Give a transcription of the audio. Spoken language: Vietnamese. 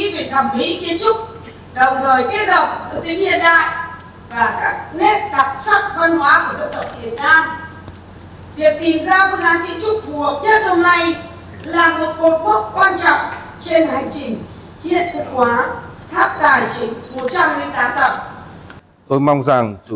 vui là thi trục được hội đồng gửi cho